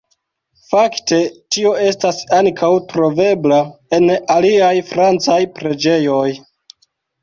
Fakte tio estas ankaŭ trovebla en aliaj francaj preĝejoj.